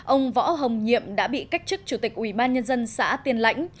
ông võ hồng nhiệm đã bị cách chức chủ tịch ủy ban nhân dân xã tiên lãnh